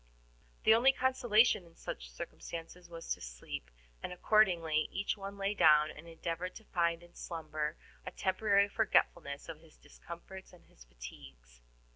The only consolation in such circumstances was to sleep, and accordingly each one lay down and endeavored to find in slumber a temporary forgetfulness of his discomforts and his fatigues.